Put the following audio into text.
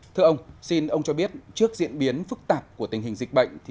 thưa ông xin ông cho biết trước diễn biến phức tạp của tình hình dịch bệnh